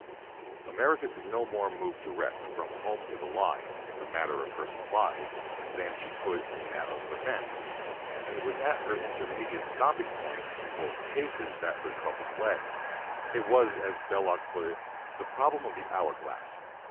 America could no more move direct from home to the line in the matter of her supplies than she could in that of her men. And it was at her intermediate stopping point, in both cases, that her troubles lay. It was, as Belloc put it, the problem of the hour glass.